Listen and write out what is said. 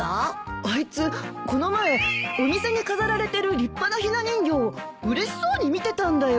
あいつこの前お店に飾られてる立派なひな人形をうれしそうに見てたんだよ。